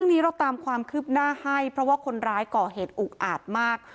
นี้เราตามความคืบหน้าให้เพราะว่าคนร้ายก่อเหตุอุกอาจมาก